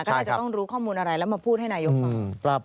ก็น่าจะต้องรู้ข้อมูลอะไรแล้วมาพูดให้นายกฟัง